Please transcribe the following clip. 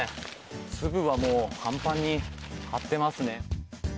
粒はもうパンパンに張ってますね。